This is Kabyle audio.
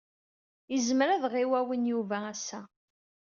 Yezmer ad ɣ-iwawen Yuba ass-a.